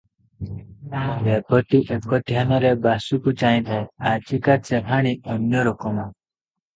ରେବତୀ ଏକଧ୍ୟାନରେ ବାସୁକୁ ଚାହିଁଥାଏ, ଆଜିକା ଚାହାଁଣି ଅନ୍ୟ ରକମ ।